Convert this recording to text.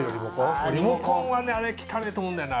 リモコンはねあれ汚ねぇと思うんだよね。